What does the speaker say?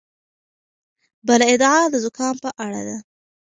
بله ادعا د زکام په اړه ده.